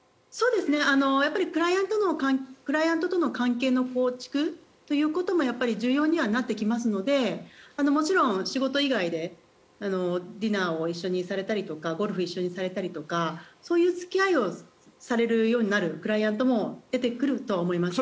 クライアントとの関係の構築ということもやっぱり重要にはなってきますのでもちろん仕事以外でディナーを一緒にされたりとかゴルフを一緒にされたりとかそういう付き合いをされるようになるクライアントも出てくると思います。